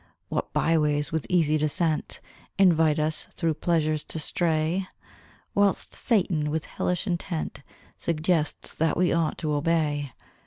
What bye ways with easy descent Invite us through pleasures to stray! Whilst Satan, with hellish intent, Suggests that we ought to obey.